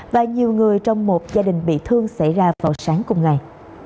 và nhiều người trong một gia đình bị thương xảy ra vào sáng cùng ngày